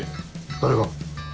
誰が？